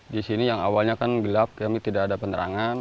disini yang awalnya kan gelap kami tidak ada penerangan